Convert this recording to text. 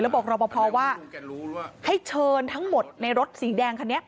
บอกรอปภว่าให้เชิญทั้งหมดในรถสีแดงคันนี้